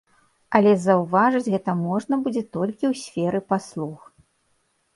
Але заўважыць гэта можна будзе толькі ў сферы паслуг.